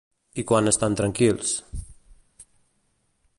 I quan estan tranquils?